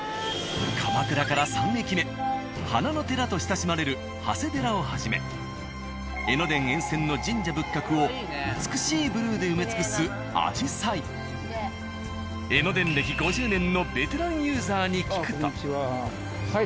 鎌倉から３駅目花の寺と親しまれる長谷寺をはじめ江ノ電沿線の神社仏閣を美しいブルーで埋め尽くす江ノ電歴５０年のベテランユーザーに聞くと。